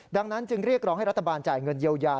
ดังนั้นจึงเรียกร้องให้รัฐบาลจ่ายเงินเยียวยา